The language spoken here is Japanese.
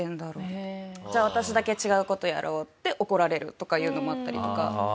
「じゃあ私だけ違う事やろう」で怒られるとかいうのもあったりとか。